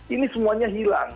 ini semuanya hilang